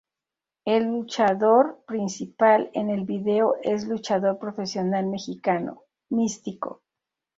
El luchador principal en el vídeo es luchador profesional mexicano, Místico.